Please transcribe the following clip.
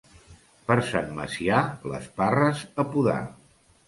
Per Sant Macià, les parres a podar.